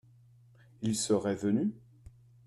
Ils seraient venus ?